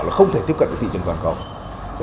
là không thể tiếp cận được thị trường toàn cầu